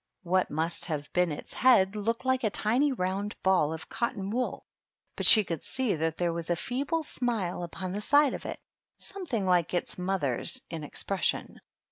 What must have been its head looked like a tiny round ball of cotton wool, but she could see that there was a feeble smile upon the side of it, some thing like its mother's in expression.